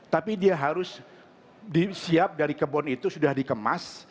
tapi dia harus disiap dari kebon itu sudah dikemas